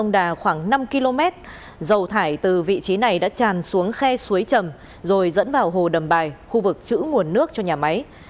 dầu thải từ vị trí này đã tràn xuống khe suối trầm rồi dẫn vào hồ đầm bài khu vực chữ nguồn nước cho nhà máy